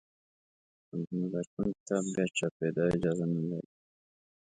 د محمد ارکون کتاب بیا چاپېدا اجازه نه لري.